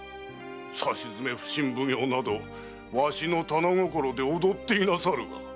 さしずめ普請奉行などわしの掌で踊っていなさるわ。